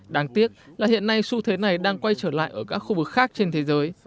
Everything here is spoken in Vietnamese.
đáng tiếc là hiện nay xu thế này đang quay trở lại ở các khu vực khác trên thế giới